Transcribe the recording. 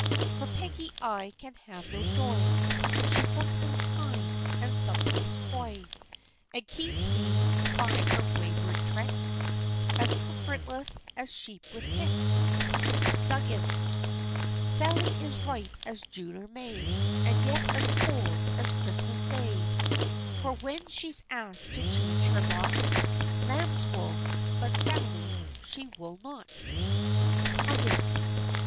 For Peggy I can have no joy, She's sometimes kind, and sometimes coy, And keeps me, by her wayward tricks, As comfortless as sheep with ticks! DUGGINS. Sally is ripe as June or May, And yet as cold as Christmas Day; For when she's asked to change her lot, Lamb's wool, but Sally, she wool not. HUGGINS.